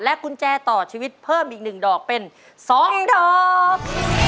กุญแจต่อชีวิตเพิ่มอีก๑ดอกเป็น๒ดอก